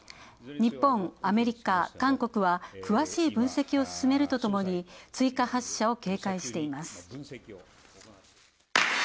日本、アメリカ、韓国は、詳しい分析を進めるとともに、追加発射を警戒しています。